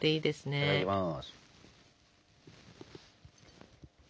いただきます。